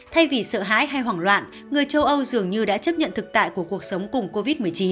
thay vì sợ hãi hay hoảng loạn người châu âu dường như đã chấp nhận thực tại của cuộc sống cùng covid một mươi chín